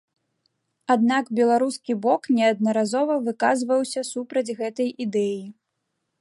Аднак беларускі бок неаднаразова выказваўся супраць гэтай ідэі.